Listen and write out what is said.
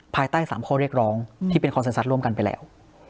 ภายใต้๓ข้อเรียกร้องที่เป็นคอนเซ็นซัดร่วมกันไปแล้ว